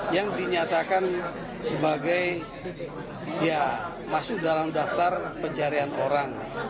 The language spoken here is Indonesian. yang dinyatakan sebagai masuk dalam daftar pencarian orang